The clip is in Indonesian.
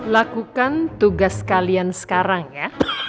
lakukan tugas kalian sekarang ya